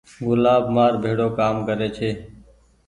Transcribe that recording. گلآب مآر ڀيڙو ڪآم ڪري ڇي۔